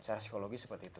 cara psikologi seperti itu